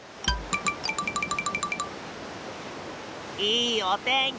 いいおてんき。